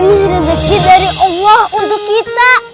ini rezeki dari allah untuk kita